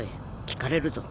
聞かれるぞ。